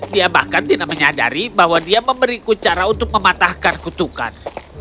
dia bahkan tidak menyadari bahwa dia memberiku cara untuk mematahkan kutukan